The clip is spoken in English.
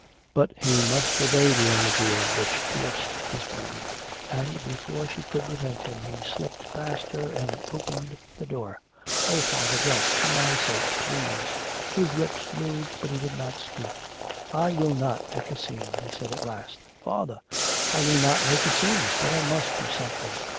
But he must obey the idea which pierced his brain, and before she could prevent him he slipped past her and opened the door. 'Oh, father, don't, for my sake, please.' His lips moved but he did not speak. 'I will not make a scene,' he said at last. 'Father!' 'I will not make a scene, but I must do something....